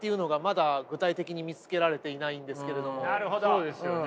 そうですよね。